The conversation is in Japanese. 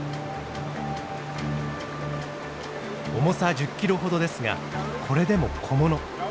重さ１０キロほどですがこれでも小物。